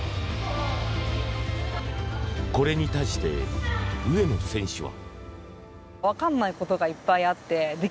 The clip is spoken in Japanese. これに対して上野選手は。